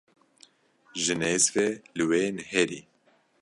Ji nêz ve li wê nihêrî.